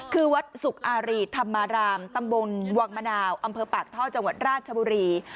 คือวัดสุกอารีธรรมารามตำบลวังมะนาวอำเภอปากท่อจังหวัดราชบุรี